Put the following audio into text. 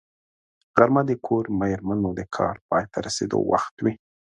غرمه د کور مېرمنو د کار پای ته رسېدو وخت وي